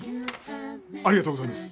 ありがとうございます。